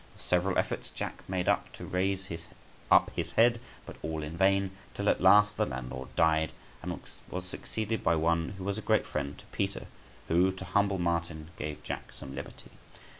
Of several efforts Jack made to raise up his head, but all in vain; till at last the landlord died, and was succeeded by one {164c} who was a great friend to Peter, who, to humble Martin, gave Jack some liberty.